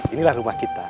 inilah rumah kita